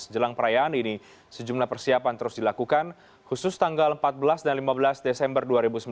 jelang perayaan ini sejumlah persiapan terus dilakukan khusus tanggal empat belas dan lima belas desember dua ribu sembilan belas